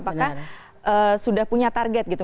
apakah sudah punya target gitu